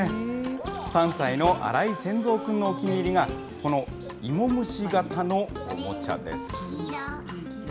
３歳の荒井千蔵くんのお気に入りが、このイモムシ型のおもちゃです。